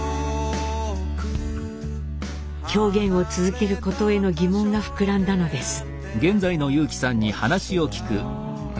狂言を続けることへの疑問が膨らんだのです。